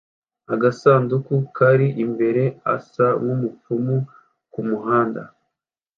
Agasanduku kari imbere asa numupfumu kumuhanda